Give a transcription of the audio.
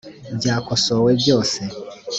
byakosowe byose